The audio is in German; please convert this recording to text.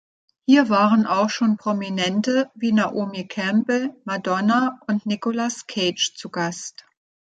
Hier waren auch schon Prominente wie Naomi Campbell, Madonna und Nicolas Cage zu Gast.